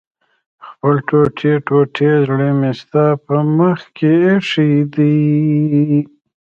خپل ټوټې ټوټې زړه مې ستا په مخ کې ايښی دی